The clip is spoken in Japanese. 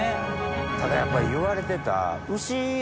ただやっぱり言われてた。